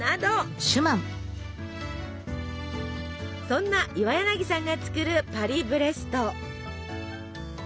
そんな岩柳さんが作るパリブレスト。